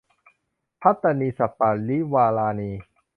ภัตตานิ สัปปะริวารานิ